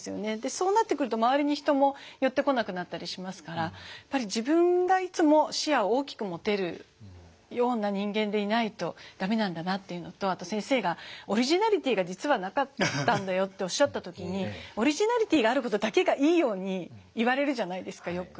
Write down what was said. そうなってくると周りに人も寄ってこなくなったりしますからやっぱり自分がいつも視野を大きく持てるような人間でいないと駄目なんだなっていうのとあと先生が「オリジナリティーが実はなかったんだよ」とおっしゃった時にオリジナリティーがあることだけがいいように言われるじゃないですかよく。